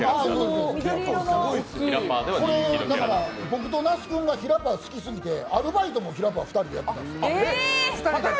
僕と那須君がひらパー好きすぎて、アルバイトもひらパー２人でやってたんです。